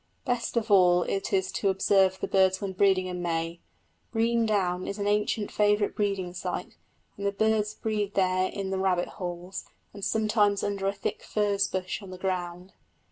Best of all it is to observe the birds when breeding in May. Brean Down is an ancient favourite breeding site, and the birds breed there in the rabbit holes, and sometimes under a thick furze bush on the ground.